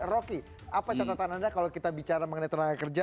rocky apa catatan anda kalau kita bicara mengenai tenaga kerja